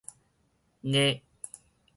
挾